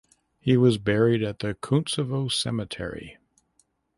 He was buried at the Kuntsevo Cemetery.